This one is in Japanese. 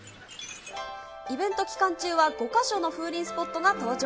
イベント期間中は５か所の風鈴スポットが登場。